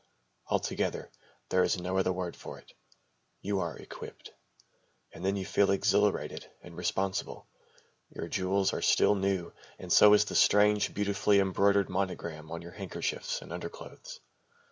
Altogether, there is no other word for it you are equipped. And then you feel exhilarated and responsible your jewels are still new and so is the strange, beautifully embroidered monogram on your handkerchiefs and underclothes.